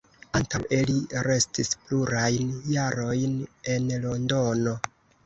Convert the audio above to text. Antaŭe li restis plurajn jarojn en Londono.